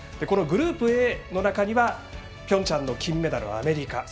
このグループＡの中にはピョンチャンの金メダルアメリカ。